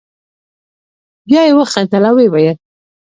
بیا یې وخندل او ویې ویل.